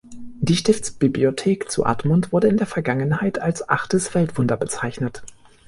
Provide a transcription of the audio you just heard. Die Stiftsbibliothek zu Admont wurde in der Vergangenheit als „Achtes Weltwunder“ bezeichnet.